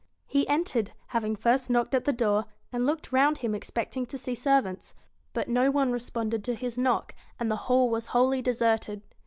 He entered, having first knocked at the door, and looked round him expecting to see servants. But no one responded to his knock, and the hall was 82 wholly deserted.